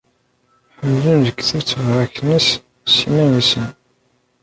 Ḥemmlen lekdeb, ttbaraken s yimawen-nsen.